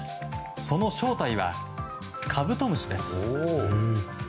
その正体はカブトムシです。